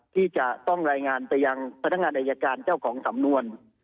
ที่จะต้องรายงานไปยังพนักงานอายการเจ้าของสำนวน